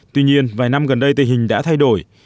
tuy nhiên vài năm gần đây tình hình đã thay đổi